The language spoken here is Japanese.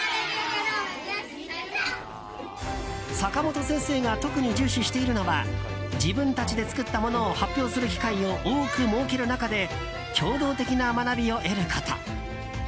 坂本先生が特に重視しているのは自分たちで作ったものを発表する機会を多く設ける中で協働的な学びを得ること。